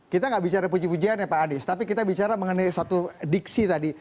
kita nggak bicara puji pujian ya pak anies tapi kita bicara mengenai satu diksi tadi